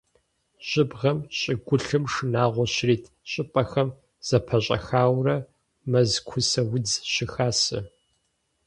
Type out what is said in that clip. Жьыбгъэм щӀыгулъым шынагъуэ щрит щӀыпӀэхэм зэпэщӀэхаурэ мэз кусэ удз щыхасэ.